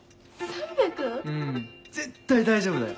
うん絶対大丈夫だよ。